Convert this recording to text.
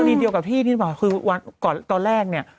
กรณีเดียวกับที่พี่บอกคือตอนแรกเนี่ย